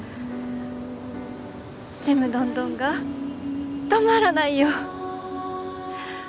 ちむどんどんが止まらないよ。